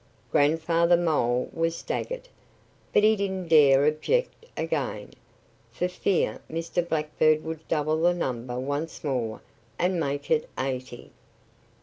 Grandfather Mole was staggered. But he didn't dare object again, for fear Mr. Blackbird would double the number once more and make it eighty.